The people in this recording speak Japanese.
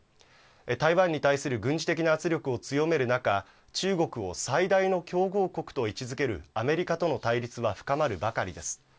台湾に対する軍事的な圧力を強める中、中国を最大の競合国と位置づけるアメリカとの対立は深まるばかりです。